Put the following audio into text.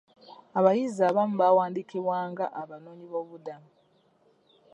Abayizi abamu baawaandiikibwa nga abanoonyiboobubudamu.